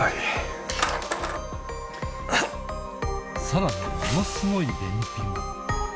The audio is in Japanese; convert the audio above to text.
さらにものすごい便秘も